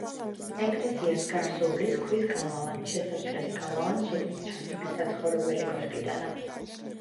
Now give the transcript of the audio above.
ეკლესიას გარს უვლის ქვის გალავანი, შესასვლელი გალავანს შიგნით ჩართული საცხოვრებელი კოშკიდან აქვს.